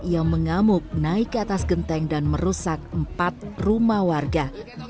yang mengamuk naik ke atas genteng dan merusak empat rumah warga